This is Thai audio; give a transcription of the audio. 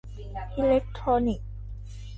อิเลคโทรนิคส์